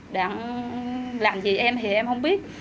đặng làm gì em thì em không biết